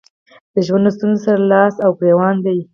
د ژوند له ستونزو سره لاس او ګرېوان دي.